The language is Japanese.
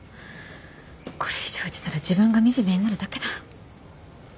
これ以上言ってたら自分が惨めになるだけだ。